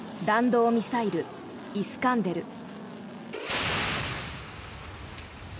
弾道ミサイル、イスカンデル。